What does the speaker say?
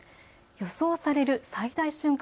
予想される最大瞬間